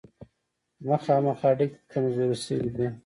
مخامخ اړیکې کمزورې شوې دي.